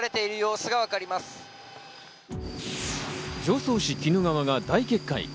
常総市・鬼怒川が大決壊。